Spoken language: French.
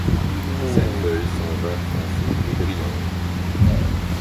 Ses feuilles sont vert foncé et brillantes.